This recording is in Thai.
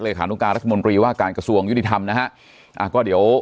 ขานุการรัฐมนตรีว่าการกระทรวงยุติธรรมนะฮะอ่าก็เดี๋ยว